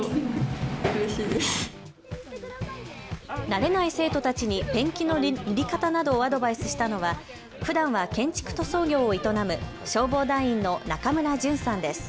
慣れない生徒たちにペンキの塗り方などをアドバイスしたのはふだんは建築塗装業を営む消防団員の中村淳さんです。